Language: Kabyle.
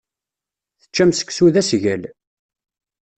Teččam seksu d asgal.